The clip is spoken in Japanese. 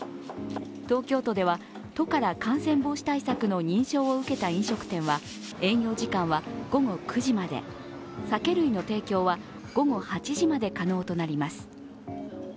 東京都では都から感染防止対策の認証を受けた飲食店は営業時間は午後９時まで、酒類の提供は午後８時まで可能となります。